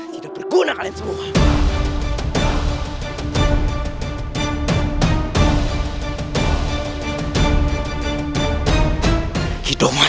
tidak berguna kalian semua